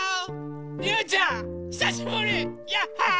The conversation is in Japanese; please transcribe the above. りゅうちゃんひさしぶり！ヤッホー！